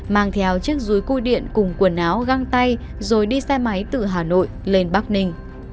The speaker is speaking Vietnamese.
mang theo chiếc rúi cu điện cùng quần áo găng tay rồi đi xe máy từ hà nội lên bắc ninh